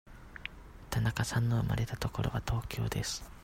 田中さんの生まれた所は東京です。